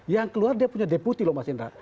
yang keluar dia punya deputi loh mas indra